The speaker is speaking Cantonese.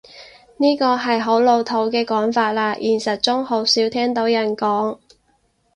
呢個係好老土嘅講法喇，現實中好少聽到人講